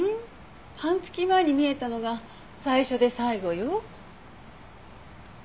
半月前に見えたのが最初で最後よ。